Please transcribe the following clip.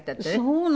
そうなの。